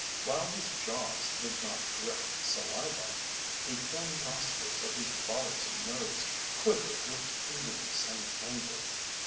While his jaws did not drip saliva, the thin nostrils of his bothersome nose quivered with eagerness and anger.